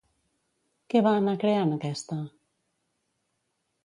Què va anar creant aquesta?